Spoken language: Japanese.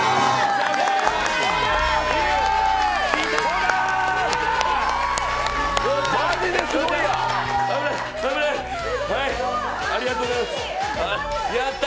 危ない、危ないありがとうございます。